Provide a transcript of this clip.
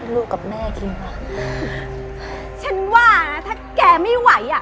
ลูกกับแม่กินหมดฉันว่านะถ้าแกไม่ไหวอ่ะ